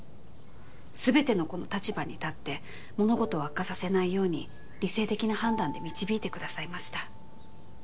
すべての子の立場に立って物事を悪化させないように理性的な判断で導いてくださいました。